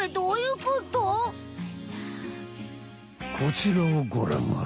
こちらをごらんあれ。